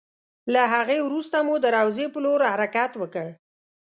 له هغې وروسته مو د روضې په لور حرکت وکړ.